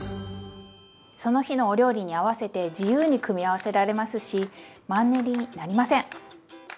その日のお料理に合わせて自由に組み合わせられますしマンネリになりません！